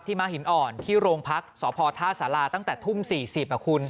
ที่มาหินอ่อนที่โรงพักษ์สภธาษาลาตั้งแต่ทุ่มสี่สิบอ่ะคุณ